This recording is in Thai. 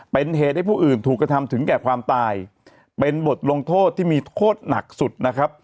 เป็นเหตุให้ผู้อื่นถูกกระทำถึงแก่ความตายเป็นบทลงโทษที่มีโทษหนักสุดนะครับ